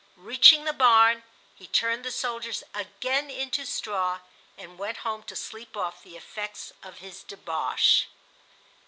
Reaching the barn, he turned the soldiers again into straw and went home to sleep off the effects of his debauch.